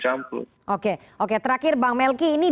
campur oke oke terakhir bang melki ini